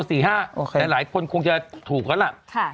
แต่หลายคนคงจะถูกก็ละ